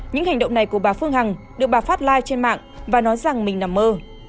những hành động này của bà phương hằng được bà phát lai trên mạng và nói rằng mình nằm mơ